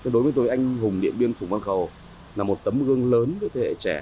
đối với tôi anh hùng điện biên phủng văn khẩu là một tấm gương lớn với thế hệ trẻ